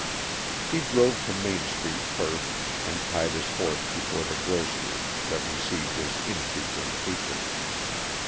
He drove to Main Street first and tied his horse before the grocery that received his infrequent patronage.